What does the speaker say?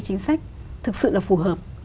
chính sách thực sự là phù hợp